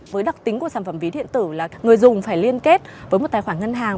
với đặc tính của sản phẩm ví điện tử là người dùng phải liên kết với một tài khoản ngân hàng